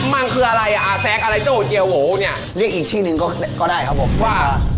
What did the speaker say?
มันคืออะไรอ่ะแซ็กอะไรโจ้เจียวโหเนี่ยเรียกอีกชื่อหนึ่งก็ได้ครับผมว่า